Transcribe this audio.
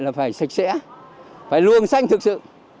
là phải sạch sẽ phải luồng xanh thực sự